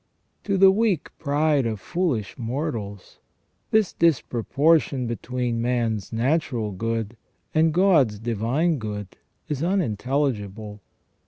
To the weak pride of foolish mortals, this disproportion between man's natural good and God's divine good is unintelligible.